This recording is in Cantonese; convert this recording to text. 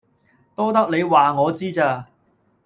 多得你話我知咋